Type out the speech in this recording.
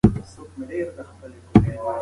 ایا دغه مالومات له تاریخي پلوه سم دي؟